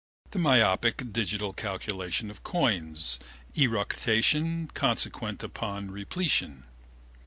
The myopic digital calculation of coins, eructation consequent upon repletion.